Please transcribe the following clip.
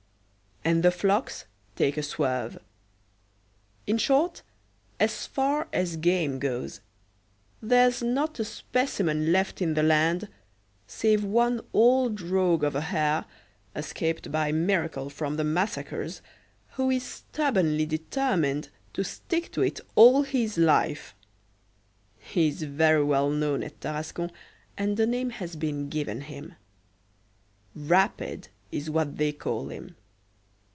And the flocks take a swerve. In short, as far as game goes, there's not a specimen left in the land save one old rogue of a hare, escaped by miracle from the massacres, who is stubbornly determined to stick to it all his life! He is very well known at Tarascon, and a name has been given him. "Rapid" is what they call him.